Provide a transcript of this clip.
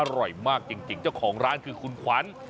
อร่อยมากจริงเจ้าของร้านคือคุณขวัญ